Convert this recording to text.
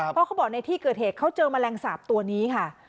เพราะเขาบอกในที่เกิดเหตุเขาเจอแมลงสาปตัวนี้ค่ะ